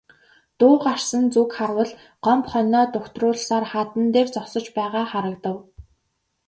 Дуу гарсан зүг харвал Гомбо хонио дугтруулсаар хадан дээр зогсож байгаа харагдав.